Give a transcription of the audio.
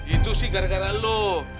itu sih gara gara lo